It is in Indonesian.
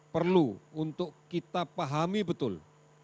perlu untuk kita pahami betul